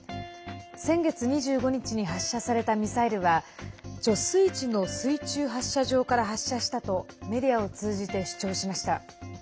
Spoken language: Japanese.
先月２５日に発射されたミサイルは貯水池の水中発射場から発射したとメディアを通じて主張しました。